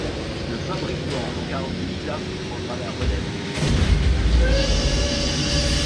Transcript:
Le fabricant Carl Gustav prendra la relève.